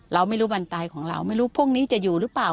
เราไม่รู้วันตายของเราไม่รู้พวกนี้จะอยู่หรือเปล่า